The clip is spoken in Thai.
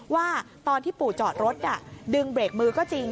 ว่าตอนที่ปู่จอดรถดึงเบรกมือก็จริง